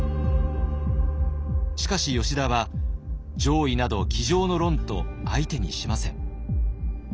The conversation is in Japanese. しかし吉田は「攘夷など机上の論」と相手にしません。